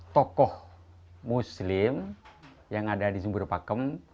tokoh muslim yang ada di sumber pakem